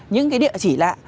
những cái địa chỉ lạ